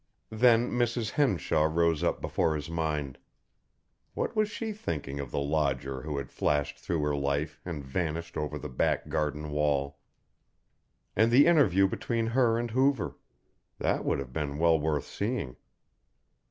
Then Mrs. Henshaw rose up before his mind. What was she thinking of the lodger who had flashed through her life and vanished over the back garden wall? And the interview between her and Hoover that would have been well worth seeing.